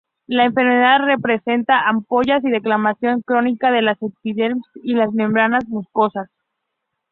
La enfermedad presenta ampollas y descamación crónica de la epidermis y las membranas mucosas.